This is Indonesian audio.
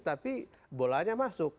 tapi bolanya masuk